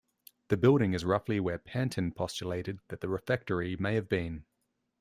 The building is roughly where Pantin postulated that the refectory may have been.